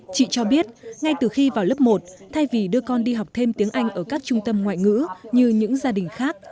chị cho biết ngay từ khi vào lớp một thay vì đưa con đi học thêm tiếng anh ở các trung tâm ngoại ngữ như những gia đình khác